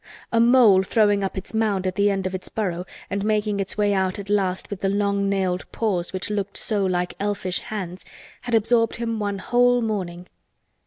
A mole throwing up its mound at the end of its burrow and making its way out at last with the long nailed paws which looked so like elfish hands, had absorbed him one whole morning.